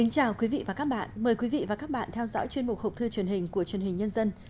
chào mừng quý vị đến với bộ phim học thư truyền hình của chuyên hình nhân dân